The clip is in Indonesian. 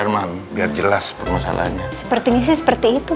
perguruan sana tuh pak darman biar jelas permasalahannya seperti ini sih seperti itu